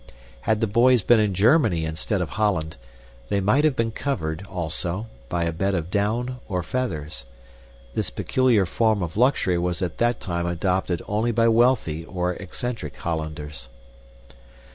Had the boys been in Germany instead of Holland, they might have been covered, also, by a bed of down or feathers. This peculiar form of luxury was at that time adopted only by wealthy or eccentric Hollanders.